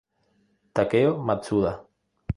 Takeo Matsuda